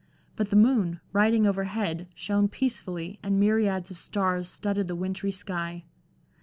But the moon, riding overhead, shone peacefully, and myriads of stars studded the wintry sky.